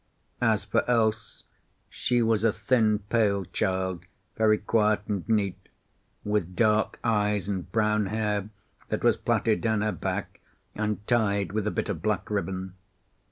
As for Else, she was a thin, pale child, very quiet and neat, with dark eyes and brown hair that was plaited down her back and tied with a bit of black ribbon.